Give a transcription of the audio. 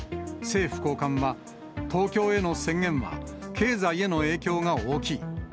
政府高官は、東京への宣言は経済への影響が大きい。